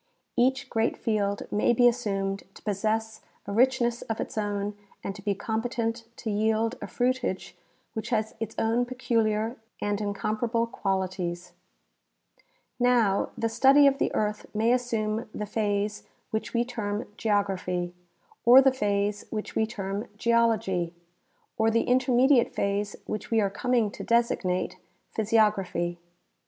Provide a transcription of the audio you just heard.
Each great field may be assumed to possess a richness of its own and to be competent to yield a fruitage Avhich has its own peculiar and incomparable qualities. 156 T. 0. Chamberlin — Relations of Geology to Physiography. Now, the study of the earth may assume the phase which we term geography, or the phase which we term geology, or the intermediate phase which we are coming to designate phj' siog raphy.